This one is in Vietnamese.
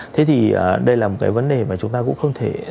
thế thì đây là một cái vấn đề mà chúng ta cũng không thể